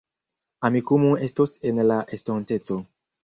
Amikumu estos en la estonteco